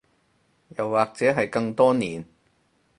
又或者係更多年